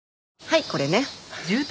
はいこれね。